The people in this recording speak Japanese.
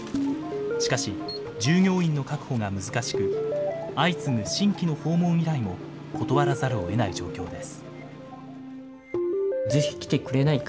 しかし、従業員の確保が難しく、相次ぐ新規の訪問依頼も断らざるをえない状況です。